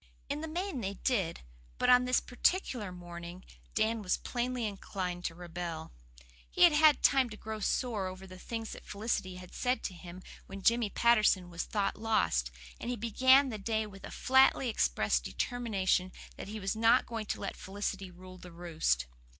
In the main they did; but on this particular morning Dan was plainly inclined to rebel. He had had time to grow sore over the things that Felicity had said to him when Jimmy Patterson was thought lost, and he began the day with a flatly expressed determination that he was not going to let Felicity rule the roost.